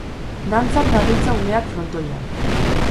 Dantzan dabiltza umeak frontoian